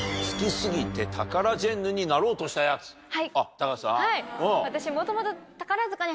高橋さん。